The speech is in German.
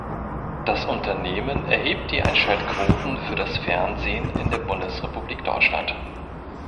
Das Unternehmen erhebt die Einschaltquoten für das Fernsehen in der Bundesrepublik Deutschland.